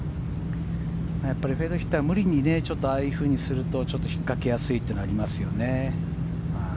フェードヒッターは無理にああいうふうにすると引っかけやすいというのはありますよね。